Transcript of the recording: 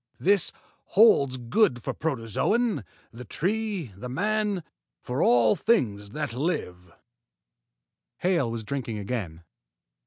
This holds good for the protozoan, the tree, the man for all things that live." Hale was drinking again.